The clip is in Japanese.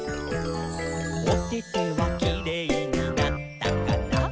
「おててはキレイになったかな？」